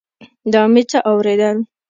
دا مې څه اورېدل.